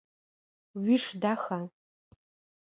Уиш даха?